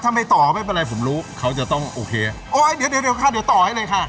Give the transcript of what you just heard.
ถ้าไม่ต่อไม่เป็นไรผมรู้เขาจะต้องโอเคโอ้ยเดี๋ยวเดี๋ยวเดี๋ยวค่ะ